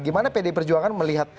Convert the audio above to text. bagaimana pd perjuangan melihat